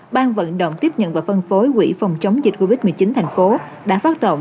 ban vận động tiếp nhận và phân phối quỹ phòng chống dịch covid một mươi chín thành phố đã phát động